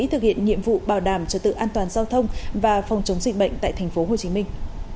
thực hiện nhiệm vụ bảo đảm cho tự an toàn giao thông và phòng chống dịch bệnh tại thành phố hồ chí minh